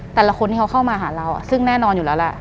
แต่ละคนที่เขาเข้ามาหาเราซึ่งแน่นอนอยู่แล้วแหละ